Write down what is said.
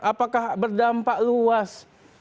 apakah berdampak luas